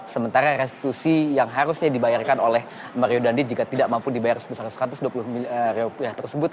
sementara restitusi yang harusnya dibayarkan oleh mario dandi jika tidak mampu dibayar sebesar satu ratus dua puluh miliar rupiah tersebut